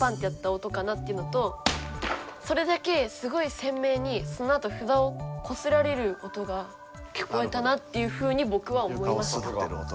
それだけすごいせんめいにそのあと札をこすられる音が聞こえたなっていうふうにぼくは思いました。